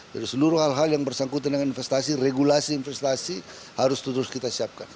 jadi seluruh hal hal yang bersangkutan dengan investasi regulasi investasi harus terus kita siapkan